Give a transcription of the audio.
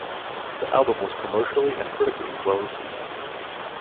The album was commercially and critically well received.